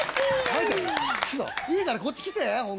いいからこっち来て。